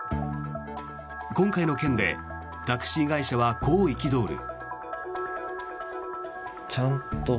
今回の件でタクシー会社はこう憤る。